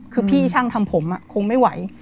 คือพี่ช่างทำผมคงไม่ไหว